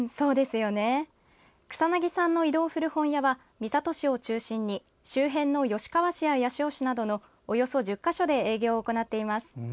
草薙さんの移動古本屋は三郷市を中心に周辺の吉川市や八潮市などのおよそ１０か所で営業を行っています。